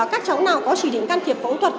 các cháu nào có chỉ định can thiệp phẫu thuật